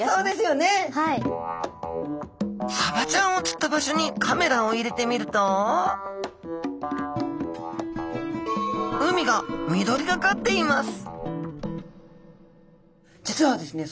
サバちゃんをつった場所にカメラを入れてみると海が実はですね